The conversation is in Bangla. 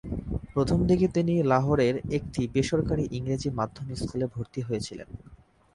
প্রথমদিকে তিনি লাহোরের একটি বেসরকারি ইংরেজি মাধ্যম স্কুলে ভর্তি হয়েছিলেন।